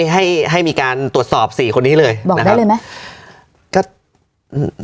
ให้ให้มีการตรวจสอบสี่คนนี้เลยบอกได้เลยไหมก็อืม